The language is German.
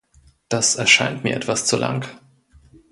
Das erscheint mir etwas zu lang.